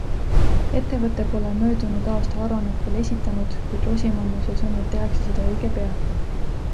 Ettevõte pole möödunud aasta aruannet veel esitanud, kuid Rosimannuse sõnul tehakse seda õige pea.